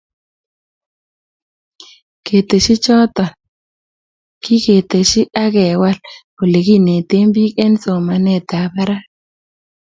keteshi choto, kigeteshi ak kewal olegineten biik eng somanetab barak